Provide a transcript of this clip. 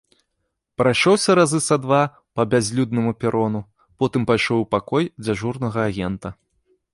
Прайшоўся разы са два па бязлюднаму перону, потым пайшоў у пакой дзяжурнага агента.